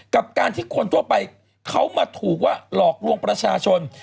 กับการที่คนทั่วไปเขามาถูกว่าหลอกลวงประชาชน